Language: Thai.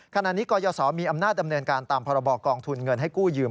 ขณะนี้กรยศมีอำนาจดำเนินการตามพรบกองทุนเงินให้กู้ยืม